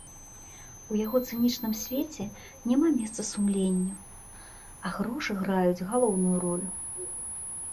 У яго цынічным свеце няма месца сумленню, а грошы граюць галоўную ролю.